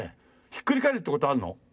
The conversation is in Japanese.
ひっくり返るっていう事あるの？